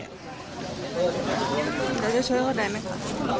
จะช่วยเขาได้ไหมคะ